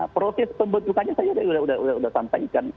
proses pembentukannya saya sudah sampaikan